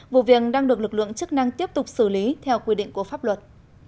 vụ viện đang được lực lượng chức năng tiếp tục xử lý theo quy định của pháp luật